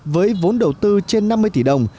với vốn đầu tư trên năm mươi tỷ đồng